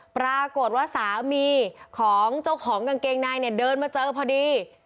ปรากฏว่าสามีของเจ้าของกางเกงในเนี่ยเดินมาเจอพอดี